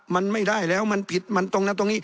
มันไม่ได้แล้วมันผิดมันตรงนั้นตรงนี้